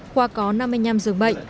khoa có năm mươi năm giường bệnh